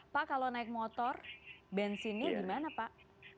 pak kalau naik motor bensinnya di mana pak